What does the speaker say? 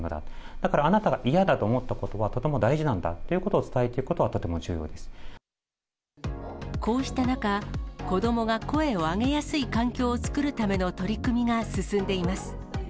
だからあなたが嫌だと思ったことは、とても大事なんだということを伝えていくことはとても重要でこうした中、子どもが声を上げやすい環境を作るための取り組みが進んでいます。